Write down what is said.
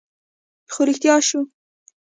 خو رښتيا شو